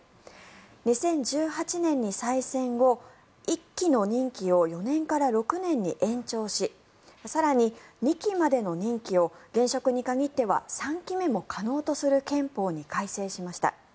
２０１８年に再選後１期の任期を４年から６年に延長し更に２期までの任期を現職に限っては３期目も可能とする憲法に改正しました。